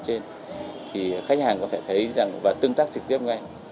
thì khách hàng có thể thấy và tương tác trực tiếp ngay